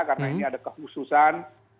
karena ini ada kehususan